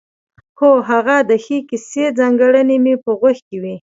هو هغه د ښې کیسې ځانګړنې مې په غوږ کې وې.